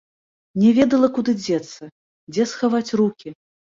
Не ведала, куды дзецца, дзе схаваць рукі.